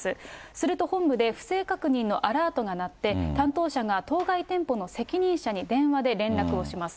すると本部で不正確認のアラートが鳴って、担当者が当該店舗の責任者に電話で連絡をします。